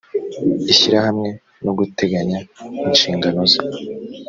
ishyirahamwe no guteganya inshingano ze